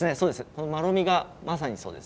このまろみがまさにそうですね。